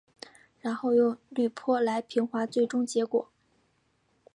然后用滤波来平滑最终结果。